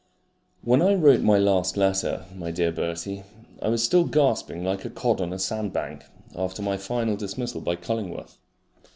When I wrote my last letter, my dear Bertie, I was still gasping, like a cod on a sand bank, after my final dismissal by Cullingworth.